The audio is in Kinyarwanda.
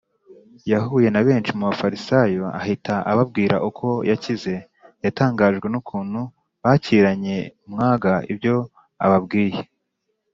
, yahuye na benshi mu Bafarisayo ahita ababwira uko yakize. Yatangajwe n’ukuntu bakiranye umwaga ibyo ababwiye.